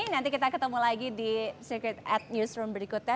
nanti kita ketemu lagi di secret ad newsroom berikutnya